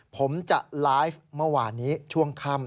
ผมจะไลฟ์เมื่อวานนี้ช่วงค่ำ